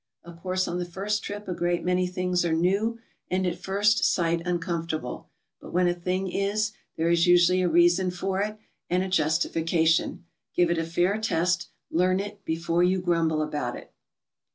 Of course on the first trip a great many things are new and at first sight unoom'fiortable, but when a thing is, there is usually a reason for it, and a justi fication. Give it a fair test, karn it, before you grumble aboui it.